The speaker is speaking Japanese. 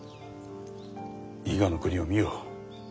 伊賀国を見よ。